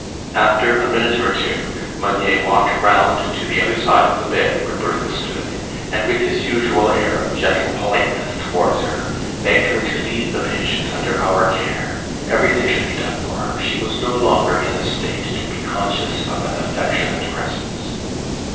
After a minute or two, Meunier walked round to the other side of the bed where Bertha stood, and with his usual air of gentle politeness towards her begged her to leave the patient under our care everything should be done for her she was no longer in a state to be conscious of an affectionate presence.